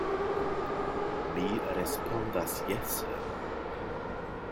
Mi respondas jese.